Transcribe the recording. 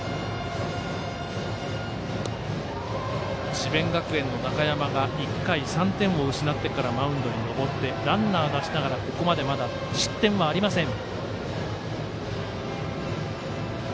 智弁学園の中山が１回３点を失ってからマウンドに上がってランナー出しながらここまでまだ失点がありません。